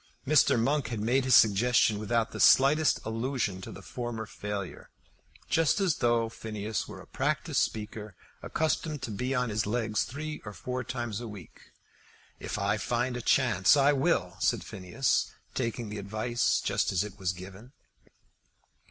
Mr. Monk had made his suggestion without the slightest allusion to the former failure, just as though Phineas were a practised speaker accustomed to be on his legs three or four times a week. "If I find a chance, I will," said Phineas, taking the advice just as it was given.